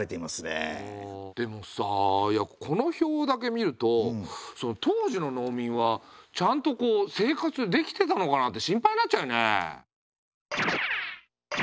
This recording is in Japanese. でもさこの表だけ見ると当時の農民はちゃんと生活できてたのかなって心配になっちゃうね。